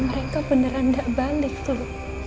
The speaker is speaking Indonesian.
jadi mereka beneran gak balik tuh